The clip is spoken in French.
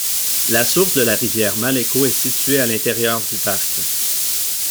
La source de la rivière Malleco est située à l'intérieur du parc.